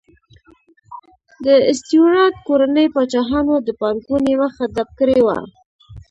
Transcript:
د سټیورات کورنۍ پاچاهانو د پانګونې مخه ډپ کړې وه.